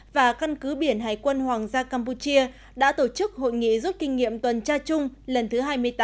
và căn cứ biển hải quân hoàng gia campuchia đã tổ chức hội nghị rút kinh nghiệm tuần tra chung lần thứ hai mươi tám